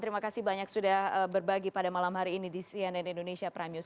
terima kasih banyak sudah berbagi pada malam hari ini di cnn indonesia prime news